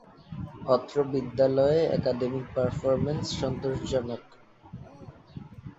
অত্র বিদ্যালয়ে academic performance সন্তোষজনক।